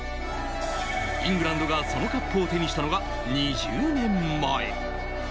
イングランドがそのカップを手にしたのが２０年前。